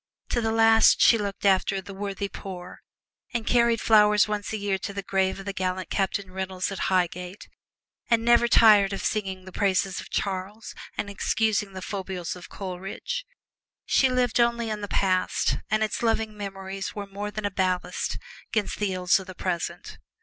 To the last, she looked after "the worthy poor," and carried flowers once a year to the grave of the gallant Captain Reynolds at Highgate, and never tired of sounding the praises of Charles and excusing the foibles of Coleridge. She lived only in the past, and its loving memories were more than a ballast 'gainst the ills of the present.